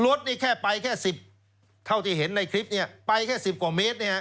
รถนี่แค่ไปแค่๑๐เท่าที่เห็นในคลิปเนี่ยไปแค่๑๐กว่าเมตร